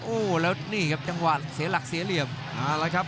โอ้โหแล้วนี่ครับจังหวะเสียหลักเสียเหลี่ยมเอาละครับ